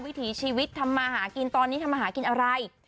วิถีชีวิตทำมาหากินตอนนี้ทำมาหากินอะไร